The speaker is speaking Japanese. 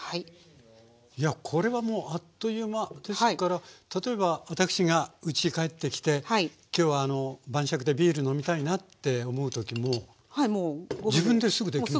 これはもうあっという間ですから例えば私がうちへ帰ってきて今日は晩酌でビール飲みたいなって思う時も自分ですぐできます？